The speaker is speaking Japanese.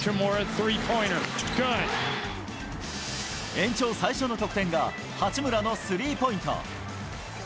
延長最初の得点が、八村のスリーポイント。